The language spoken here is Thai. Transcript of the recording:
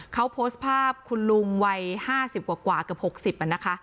เขาโพสต์ภาพคุณลุงวัย๕๐กว่ากว่ากว่า๖๐